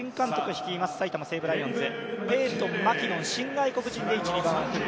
率います埼玉西武ライオンズ。